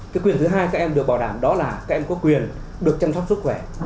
cái quyền thứ hai các em được bảo đảm đó là các em có quyền được chăm sóc sức khỏe